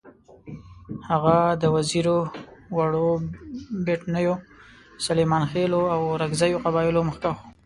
هغه د وزیرو، وړو بېټنیو، سلیمانخېلو او اورکزو قبایلو مخکښ وو.